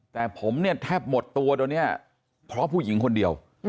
แต่ผมเนี่ยแทบหมดตัวตอนนี้เพราะผู้หญิงคนเดียว